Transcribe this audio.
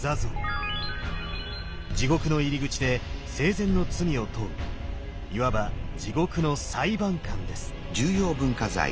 地獄の入り口で生前の罪を問ういわば地獄の裁判官です。